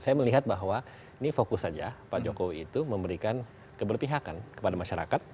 saya melihat bahwa ini fokus saja pak jokowi itu memberikan keberpihakan kepada masyarakat